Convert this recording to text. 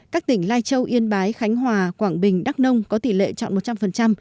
các tỉnh lai châu yên bái khánh hòa quảng bình đắk nông có tỷ lệ chọn một trăm linh